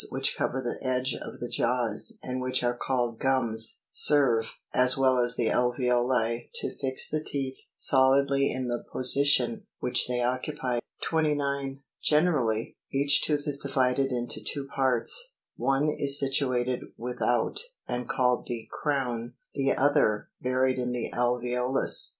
which cover the edge of the jaws, and which are called gums, serve, as well as the alveoli, to fix the teeth solidly in the po sition which they occupy. 29. Generally, each tooth is divided into two parts; one is situated with out, and called the crown, the other, buried in the alveolus {Fig. 1 5.